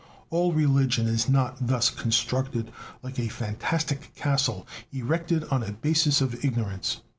All religion is not thus constructed like a fantastic castle erected on a basis of ignorance.